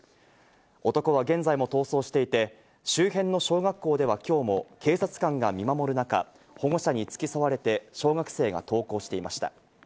男は現在も逃走していて周辺の小学校では今日も警察官が見守る中、保護者に付き添われて、小学生が登校していました。